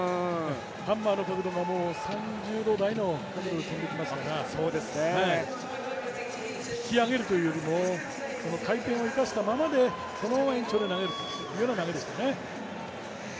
ハンマーの角度が３０度台の角度で飛んでいきますから引き上げるというよりも回転を生かしたままで、その延長で投げる投げですね。